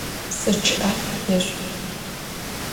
Psı ççı'e yêşsu!